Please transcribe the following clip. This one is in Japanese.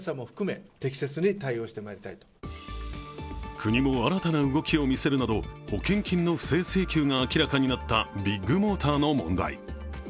国も新たな動きを見せるなど保険金の不正請求が明らかになったビッグモーターの問題。